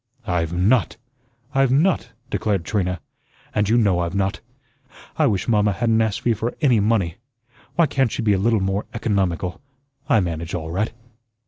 "I've NOT, I've NOT," declared Trina, "and you know I've not. I wish mamma hadn't asked me for any money. Why can't she be a little more economical? I manage all right.